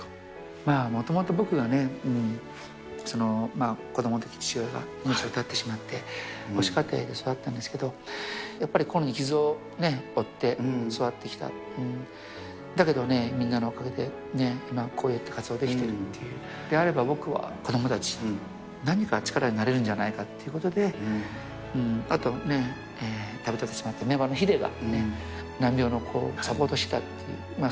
もともと僕がね、子どものときに父親が命を絶ってしまって、母子家庭で育ったんですけれども、やっぱり心に傷を負って、育ってきた、だけどね、みんなのおかげで今、こうやって活動できているっていう、であれば、僕は子どもたちの何か力になれるんじゃないかということで、あとね、旅立ってしまったＨＩＤＥが、難病の子をサポートしてた。